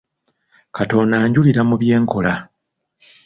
Katonda anjulira mu bye nkola.